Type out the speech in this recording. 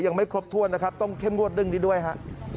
ยังไม่ครบถ้วนนะครับต้องเข้มงวดเรื่องนี้ด้วยฮะ